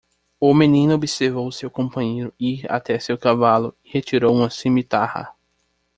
O menino observou seu companheiro ir até seu cavalo e retirou uma cimitarra.